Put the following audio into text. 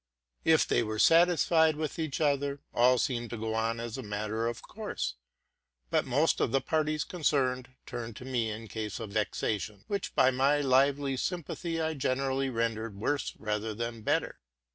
If they were satisfied with each other, all seemed to go on as a matter of course; but most of the parties concerned turned to me in cases of vexation, which by my lively sympathy I generally rendered worse rather than better.